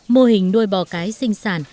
mô hình nuôi bò cái sinh sản